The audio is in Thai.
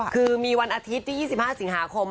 คือมีวันอาทิตย์ที่๒๕สิงหาคม